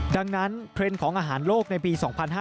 ดังนั้นเทรนด์ของอาหารโลกในปี๒๕๕๙